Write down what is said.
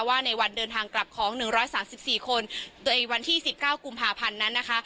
ว่าในวันเดินทางกลับของ๑๓๔คนโดยวันที่๑๙กุมภาพันธ์นั้นนะคะ